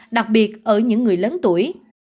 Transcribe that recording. đặc biệt ở những người lớn tuổi